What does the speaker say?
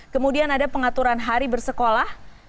kemudian ada pengaturan hari bersekolah